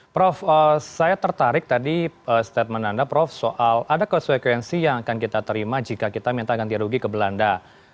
prof saya tertarik tadi statement anda prof soal ada konsekuensi yang akan kita terima jika kita minta ganti rugi ke belanda